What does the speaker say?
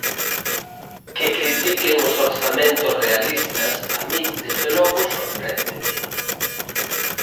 Que critiquen os orzamentos realistas a min, dende logo, sorpréndeme.